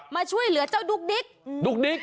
มาช่วยเหลือเจ้าดุ๊กดิ๊ก